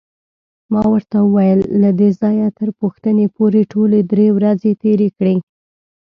ما ورته وویل: له دې ځایه تر پوښتنې پورې ټولې درې ورځې تېرې کړې.